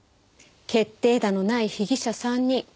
決定打のない被疑者３人。